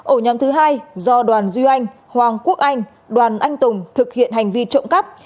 ổ nhóm thứ hai do đoàn duy anh hoàng quốc anh đoàn anh tùng thực hiện hành vi trộm cắp